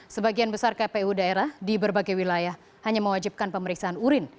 sebagian besar kpu daerah di berbagai wilayah hanya mewajibkan pemeriksaan urin